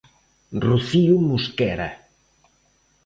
Rocío Mosquera.